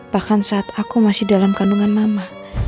bahkan saat aku masih dalam kandungan nama